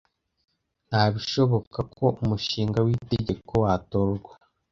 Nta bishoboka ko umushinga w'itegeko watorwa.